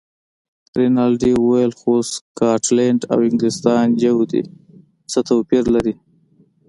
رینالډي وویل: خو سکاټلنډ او انګلیستان یو دي، څه توپیر لري.